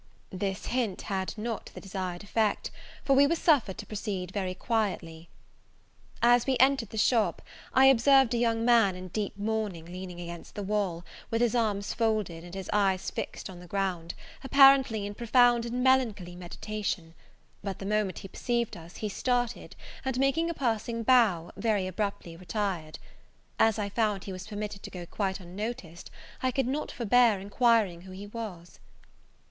This hint had not the desired effect; for we were suffered to proceed very quietly. As we entered the shop, I observed a young man in deep mourning leaning against the wall, with his arms folded, and his eyes fixed on the ground, apparently in profound and melancholy meditation; but the moment he perceived us, he started, and, making a passing bow, very abruptly retired. As I found he was permitted to go quite unnoticed, I could not forbear enquiring who he was.